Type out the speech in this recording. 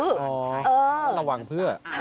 อ๋อก็ระวังเพื่อ